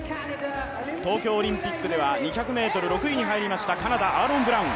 東京オリンピックでは２００ｍ、６位に入りました、カナダ、アーロン・ブラウン。